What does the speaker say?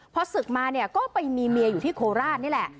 พอศึกมาเนี่ยก็ไปมีเมียอยู่ที่โคราชนี่แหละ